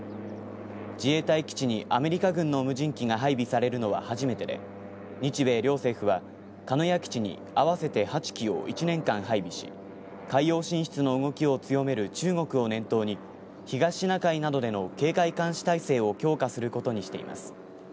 自衛隊基地にアメリカ軍の無人機が配備されるのは初めてで日米両政府は鹿屋基地に合わせて８機を１年間配備し海洋進出の動きを強める中国を念頭に東シナ海などでの警戒監視体制を強化することにしています。